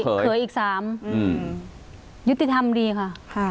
เขยอีก๓ยุติธรรมดีค่ะ